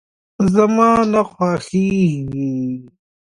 زما نه خوښيږي.